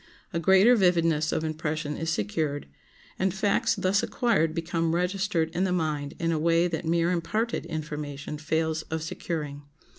A greater vividness of impression is secured, and facts thus acquired become registered in the mind in a way that mere imparted information fails of securing.